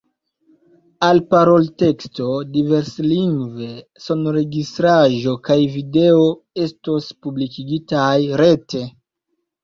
Alparolteksto diverslingve, sonregistraĵo kaj video estos publikigitaj rete.